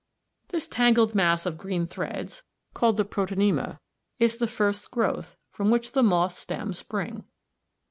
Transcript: This tangled mass of green threads, called the protonema, is the first growth, from which the moss stems spring.